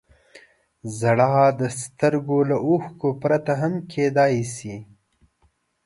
• ژړا د سترګو له اوښکو پرته هم کېدای شي.